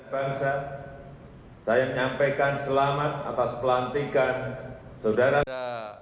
bangsa saya menyampaikan selamat atas pelantikan saudara saudara